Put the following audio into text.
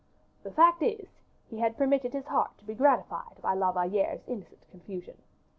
The fact is, he had permitted his heart to be gratified by La Valliere's innocent confusion.